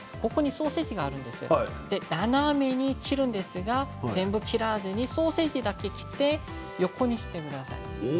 ソーセージがあるんですが斜めに切るんですが全部切らずにソーセージだけ切って横にしてください。